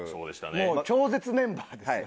もう超絶メンバーですよ。